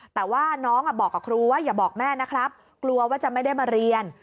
แต่ว่าน้องบอกกับครูว่าอย่าบอกแม่นะครับกลัวว่าจะไม่ได้มาเรียน